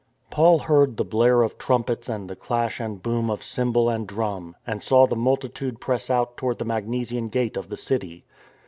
Paul heard the blare of trumpets and the clash and boom of cymbal and drum, and saw the multitude press out toward the Magnesian Gate of the City.